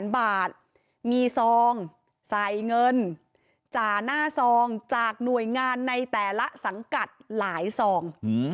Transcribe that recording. บาทมีซองใส่เงินจ่าหน้าซองจากหน่วยงานในแต่ละสังกัดหลายซอง